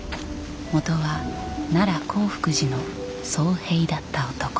元は奈良興福寺の僧兵だった男。